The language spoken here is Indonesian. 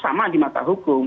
sama di mata hukum